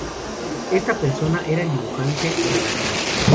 Esa persona era el dibujante granadino.